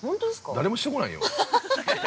◆誰もしてこないよ。